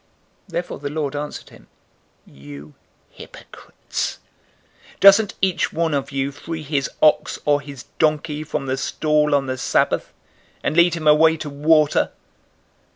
013:015 Therefore the Lord answered him, "You hypocrites! Doesn't each one of you free his ox or his donkey from the stall on the Sabbath, and lead him away to water?